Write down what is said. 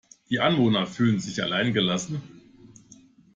Die Anwohner fühlen sich allein gelassen.